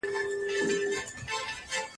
د ورځني ژوند چاري باید په سمه توګه سمبال سي.